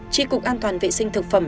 tri cục an toàn vệ sinh thực phẩm